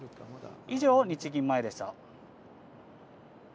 以上、日銀前でした。